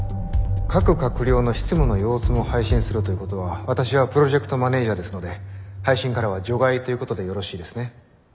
各閣僚の執務の様子も配信するということは私はプロジェクトマネージャーですので配信からは除外ということでよろしいですね。